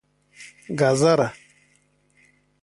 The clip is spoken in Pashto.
🥕 ګازره